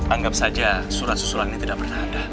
anggap saja surat susulan ini tidak pernah ada